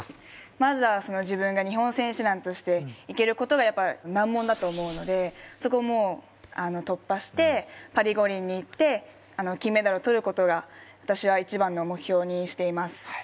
まずは自分が日本選手団として行けることが難問だと思うのでそこも突破してパリ五輪に行って金メダルを取ることが私は一番の目標にしています